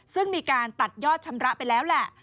ซึ่งมีการตัดยอดชำระไปแล้วแหละ